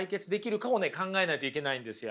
考えないといけないんですよ。